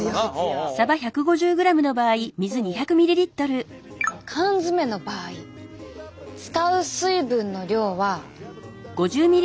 一方缶詰の場合使う水分の量は。